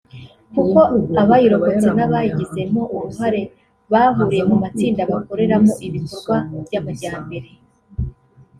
kuko abayirokotse n’abayigizemo uruhare bahuriye mu matsinda bakoreramo ibikorwa by’amajyambere